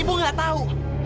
ibu nggak tahu